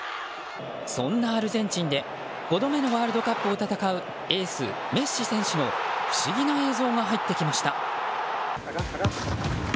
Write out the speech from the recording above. そんなアルゼンチンで５度目のワールドカップを戦うエース、メッシ選手の不思議な映像が入ってきました。